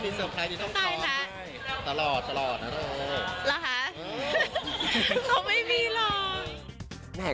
พี่ไม่ได้น้อยใจ